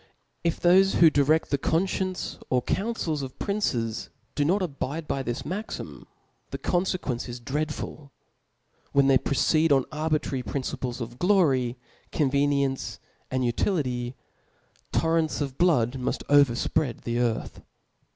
If thofe who direft the qpnfcience or'councils of pnnces do not ^bidab^ this maxim the confequence is dreadful : whp thej(. proceed on arbitrary principles of glory, convc niency, and utility; torrents of l^ood muft over fpread the earth.